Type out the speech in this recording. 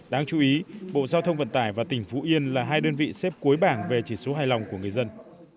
đáng chú ý bộ giao thông vận tải và tỉnh phú yên là hai đơn vị xếp cuối bảng về chỉ số hài lòng của người dân